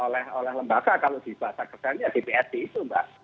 oleh lembaga kalau di bahasa kerjanya dprd itu mbak